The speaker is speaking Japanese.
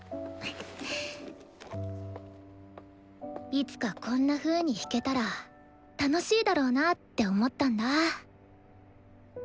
「いつかこんなふうに弾けたら楽しいだろうな」って思ったんだ。